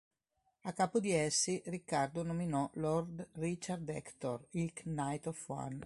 A capo di essi, Riccardo nominò Lord Richard Hector, il Knight of One.